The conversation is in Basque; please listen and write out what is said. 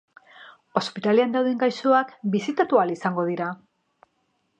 Ospitalean dauden gaixoak bisitatu ahal izango dira?